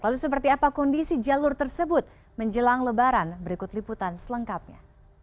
lalu seperti apa kondisi jalur tersebut menjelang lebaran berikut liputan selengkapnya